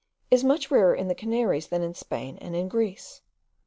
is much rarer in the Canaries than in Spain and in Greece.